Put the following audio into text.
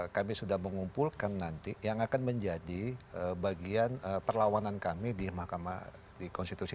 kami sudah mengumpulkan nanti yang akan menjadi bagian perlawanan kami di mahkamah di konstitusi